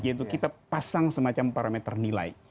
yaitu kita pasang semacam parameter nilai